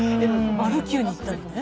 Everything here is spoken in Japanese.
マルキューに行ったりね。